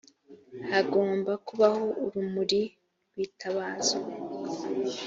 hagomba kubaho urumuri rwitabazwa